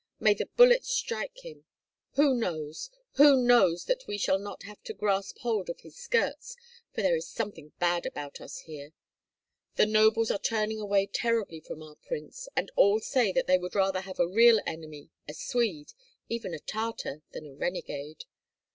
May the bullets strike him! Who knows, who knows that we shall not have to grasp hold of his skirts, for there is something bad about us here. The nobles are turning away terribly from our prince, and all say that they would rather have a real enemy, a Swede, even a Tartar, than a renegade.